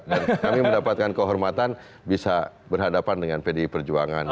dan kami mendapatkan kehormatan bisa berhadapan dengan pdi perjuangan